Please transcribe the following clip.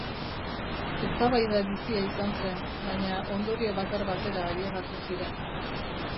Eztabaida bizia izan zen, baina ondorio bakar batera ailegatu ziren.